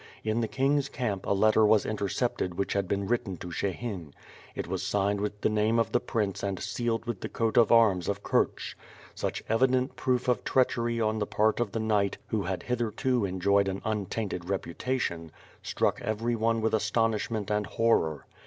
In the King's camp a letter was intercepted which had been written to Shehin. It was signed with the name of the prince and sealed with the coat of arms of Kurch. Such evident proof of treachery on the part of the knight who had hitherto enjoyed an untainted 50 WITH FIRE AND SWORD. 51 reputation struck every one with astonishment and horror.